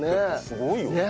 すごいよね。